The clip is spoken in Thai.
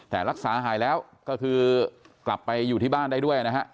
แต่รักษาหายแล้วก็คือกลับไปอยู่ที่บ้านได้ด้วยนะฮะ